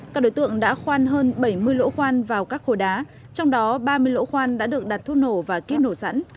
các đối tượng đã khoan hơn bảy mươi lỗ khoan vào các khối đá trong đó ba mươi lỗ khoan đã được đặt thuốc nổ và kíp nổ sẵn